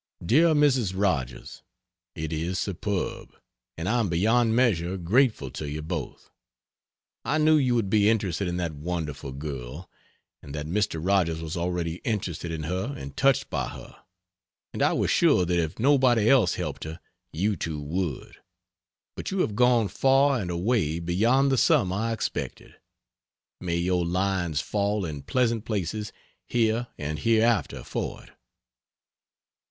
DEAR MRS. ROGERS, It is superb! And I am beyond measure grateful to you both. I knew you would be interested in that wonderful girl, and that Mr. Rogers was already interested in her and touched by her; and I was sure that if nobody else helped her you two would; but you have gone far and away beyond the sum I expected may your lines fall in pleasant places here and Hereafter for it!